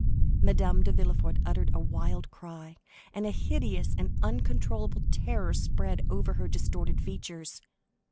Madame de Villefort uttered a wild cry, and a hideous and uncontrollable terror spread over her distorted features.